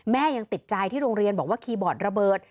ยังติดใจที่โรงเรียนบอกว่าคีย์บอร์ดระเบิด